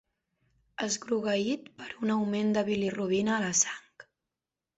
Esgrogueït per un augment de bilirubina a la sang.